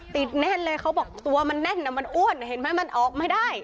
แน่นเลยเขาบอกตัวมันแน่นมันอ้วนเห็นไหมมันออกไม่ได้